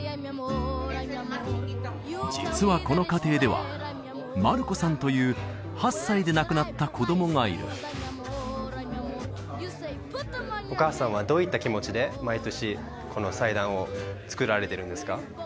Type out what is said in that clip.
実はこの家庭ではマルコさんという８歳で亡くなった子供がいるお母さんはどういった気持ちで毎年この祭壇を作られてるんですか？